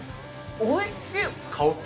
おいしっ。